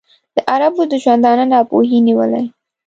د عربو د ژوندانه ناپوهۍ نیولی.